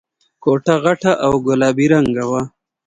کوټه غټه او گلابي رنګه وه.